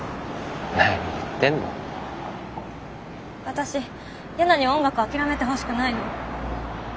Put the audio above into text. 私ヤナに音楽諦めてほしくないの。